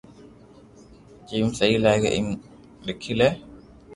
جيم سھي لاگي ايم ليکي لي